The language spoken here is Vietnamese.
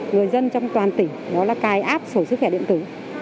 người dân trong toàn tỉnh đó là cài app sổ sức khỏe điện tử